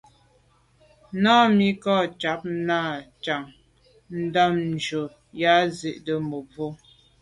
Námí à’cág ná cǎŋ ndǎmjú ā yā zí’də́ mə̀bró.